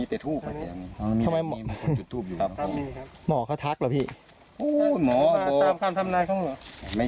เดินตอนนั้นมีแต่ทูปเต